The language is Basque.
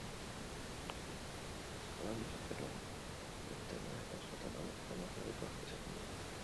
Eskolan jazarpen ugari egoten da eta askotan hauek homofobikoak izaten dira.